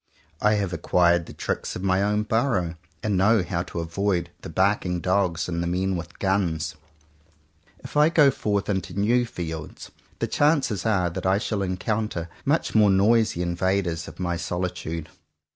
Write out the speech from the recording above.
I have acquired the tricks of my own burrow, and know how to avoid the barking dogs and the men with guns. If I 67 CONFESSIONS OF TWO BROTHERS go forth into new fields, the chances are that I shall encounter much more noisy invaders of my solitude.